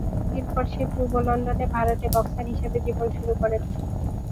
মুক্তির পর সে পূর্ব লন্ডনে ভাড়াটে বক্সার হিসেবে জীবন শুরু করেন।